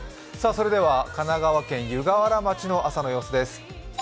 それでは神奈川県湯河原町の朝の様子です。